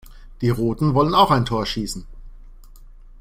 Die Roten wollen auch ein Tor schießen.